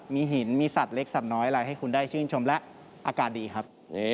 มีหินมีสัตว์เล็กสัตว์น้อยอะไรให้คุณได้ชื่นชมและอากาศดีครับ